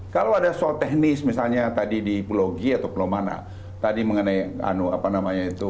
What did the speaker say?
kalau ada soal teknis misalnya tadi di pulau g atau pulau mana tadi mengenai apa namanya itu